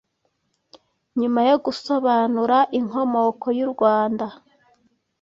Nyuma yo gusobanura inkomoko y’u Rwanda